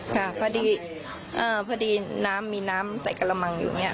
ดับค่ะพอดีน้ำมีน้ำใส่กระมังอยู่นี่